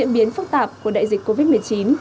biến phức tạp của đại dịch covid một mươi chín